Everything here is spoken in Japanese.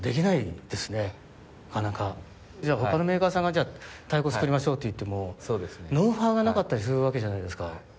ほかのメーカーさんが太鼓作りましょうっていってもノウハウがなかったりするじゃないですか。